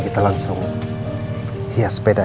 kita langsung hias sepeda aja ya